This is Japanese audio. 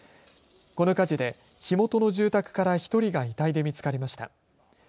この火事で火元の住宅から１人が遺体で見つかりました。